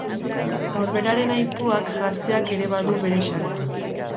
Norberaren aipuak jartzeak ere badu bere xarma.